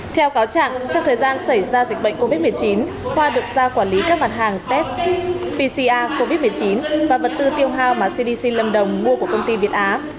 theo cáo trạng trong thời gian xảy ra dịch bệnh covid một mươi chín hoa được ra quản lý các mặt hàng test pcr covid một mươi chín và vật tư tiêu hao mà cdc lâm đồng mua của công ty việt á